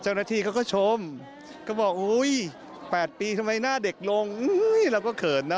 เจ้าหน้าที่เขาก็ชมก็บอกอุ้ย๘ปีทำไมหน้าเด็กลงเราก็เขินนะ